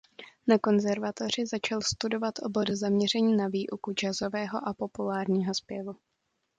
Na konzervatoři začal studovat obor zaměřený na výuku jazzového a populárního zpěvu.